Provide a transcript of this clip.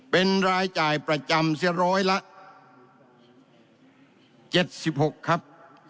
เป็นรายจ่ายประจำเสียร้อยละ๗๖ครับ